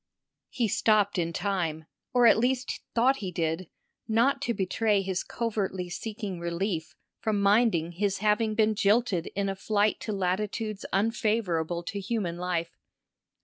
He stopped in time, or at least thought he did, not to betray his covertly seeking relief from minding his having been jilted in a flight to latitudes unfavourable to human life.